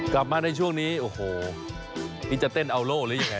กลับมาในช่วงนี้โอ้โหนี่จะเต้นอัลโล่หรือยังไง